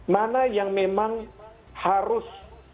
mana yang memang harus